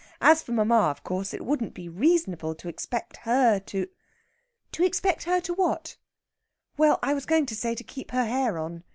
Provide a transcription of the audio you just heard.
As for mamma, of course it wouldn't be reasonable to expect her to...." "To expect her to what?" "Well, I was going to say keep her hair on.